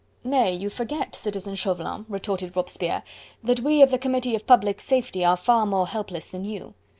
"Nay! you forget, Citizen Chauvelin," retorted Robespierre, "that we of the Committee of Public Safety are far more helpless than you.